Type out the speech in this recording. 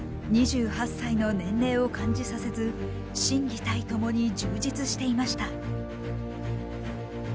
２８歳の年齢を感じさせず心技体ともに充実していました。